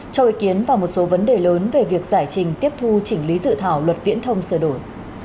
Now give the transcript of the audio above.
cho ý kiến vào một số vấn đề lớn về việc giải trình tiếp thu chỉnh lý dự thảo luật viễn thông sửa đổi